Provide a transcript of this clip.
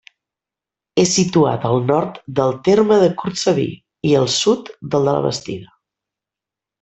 És situat al nord del terme de Cortsaví, i al sud del de la Bastida.